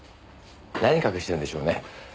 何隠してるんでしょうね？